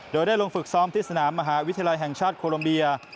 โดยได้ลงฝึกซ้อมที่สนามมหาวิทยาลัยแห่งชาติโคลมเบีย